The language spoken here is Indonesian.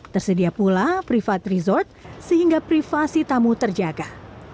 tersedia pula privat resort sehingga privasi tamu terjaga